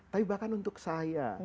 tapi bahkan untuk saya